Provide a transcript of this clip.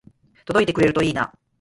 届いてくれるといいな